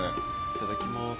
いただきます。